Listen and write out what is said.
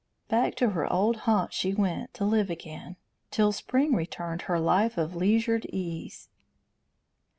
Back to her old haunt she went, to live again, till spring returned, her life of leisured ease.